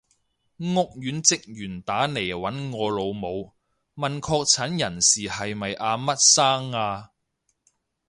屋苑職員打嚟搵我老母，問確診人士係咪阿乜生啊？